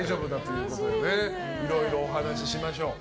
いろいろお話をしましょう。